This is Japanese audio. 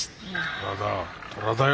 トラだよ。